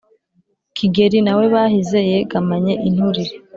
kigeri na we bahize yegamanye inturire